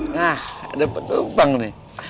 nah ada penumpang nih